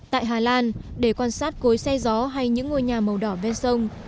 tại hà lan để quan sát cối xe gió hay những ngôi nhà màu đỏ ven sông